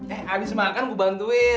eh abis makan gue bantuin